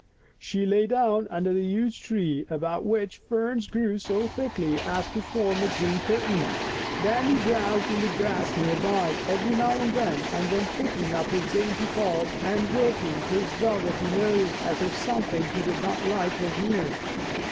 She lay down under the huge tree about which ferns grew so thickly as to form a green curtain. Dandy browsed in the grass near by, every now and then pricking up his dainty ears and work ing his velvety nose as if something he did not like was near.